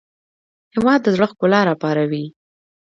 هېواد د زړه ښکلا راپاروي.